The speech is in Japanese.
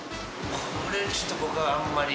これ、ちょっと僕あんまり。